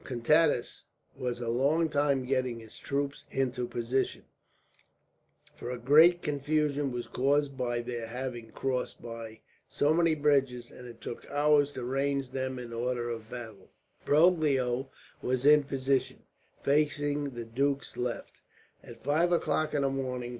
Contades was a long time getting his troops into position, for great confusion was caused by their having crossed by so many bridges, and it took hours to range them in order of battle. Broglio was in position, facing the duke's left, at five o'clock in the morning.